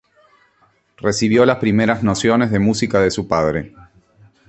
Recibió las primeras nociones de música de su padre.